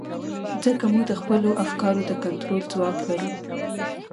ځکه موږ د خپلو افکارو د کنټرول ځواک لرو.